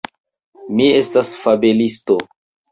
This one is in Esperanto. Mi estas fabelisto.